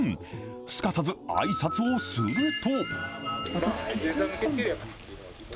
すかさずあいさつをすると。